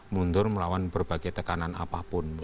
melawan berbagai tekanan apapun